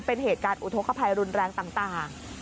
เป็นเหตุการณ์อุทธกภัยรุนแรงต่าง